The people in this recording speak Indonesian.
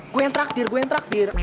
gue yang traktir gue yang traktir